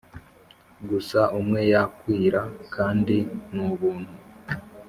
gusa umwe yakwira, kandi nubuntu.